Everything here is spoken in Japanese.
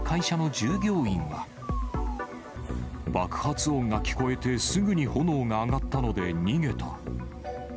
爆発音が聞こえて、すぐに炎が上がったので、逃げた。